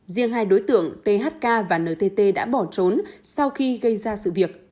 riêng hai đối tượng thk và ntt đã bỏ trốn sau khi gây ra sự việc